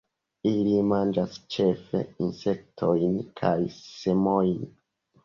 Ili manĝas ĉefe insektojn kaj semojn.